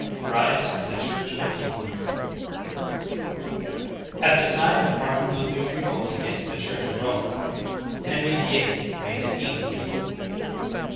^ RISE OF THE CHURCH OF ENGLAND, 16. At the time of Martin Luther's revolt against the Church of Rome, Henry VHI reigned in England.